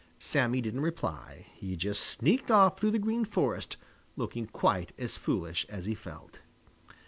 Sammy didn't reply. He just sneaked off through the Green Forest, looking quite as foolish as he felt.